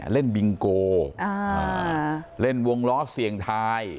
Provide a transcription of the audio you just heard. เล่นบิงโกเล่นวงเราะเสี่ยงทาย